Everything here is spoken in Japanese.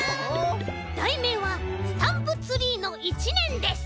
だいめいは「スタンプツリーの１ねん」です。